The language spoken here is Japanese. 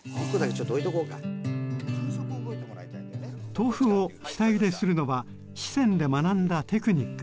豆腐を下ゆでするのは四川で学んだテクニック。